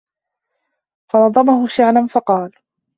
فَنَظَمَهُ شِعْرًا فَقَالَ